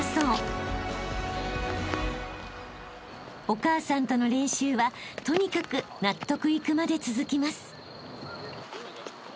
［お母さんとの練習はとにかく納得いくまで続きます］